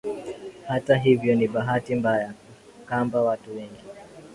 Hata hivyo ni bahati mbaya kamba watu wengi